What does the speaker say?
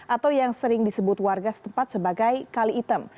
atau yang sering disebut warga setempat sebagai kali item